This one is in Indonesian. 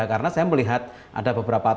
karena saya melihat ada beberapa